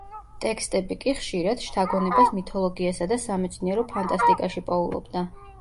ტექსტები კი, ხშირად, შთაგონებას მითოლოგიასა და სამეცნიერო ფანტასტიკაში პოულობდა.